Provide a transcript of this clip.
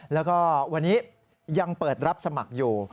แล้วก็วันนี้ยังเปิดรับสมัครอยู่